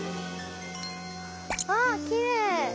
あきれい！